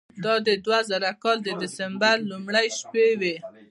دا د دوه زره کال د دسمبر لومړۍ شپې وې.